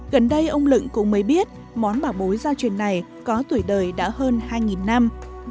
gần đây ông lựng cũng mới biết món bà bối gia truyền này có tuổi đời đã hơn hai năm